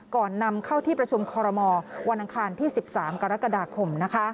ก่อนนำเข้าที่ประชุมคอรมอลวันอังคารที่๑๓กรกฎาคม